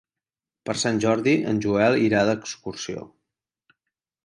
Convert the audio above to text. Per Sant Jordi en Joel irà d'excursió.